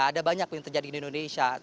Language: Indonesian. ada banyak yang terjadi di indonesia